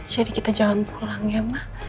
jadi kita jalan pulang ya ma